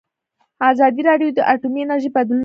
ازادي راډیو د اټومي انرژي بدلونونه څارلي.